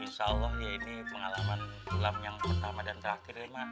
insya allah ya ini pengalaman ulang yang pertama dan terakhir ya mak